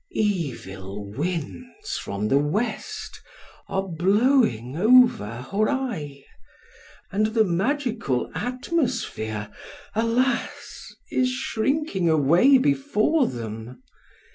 —Evil winds from the West are blowing over Hōrai; and the magical atmosphere, alas! is shrinking away before them.